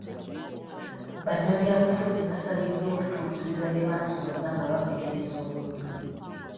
Bannabyabufuzi basabiddwa okutuukiriza bye baasuubiza nga baperereza obululu